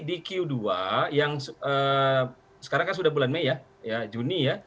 di q dua yang sekarang kan sudah bulan mei ya juni ya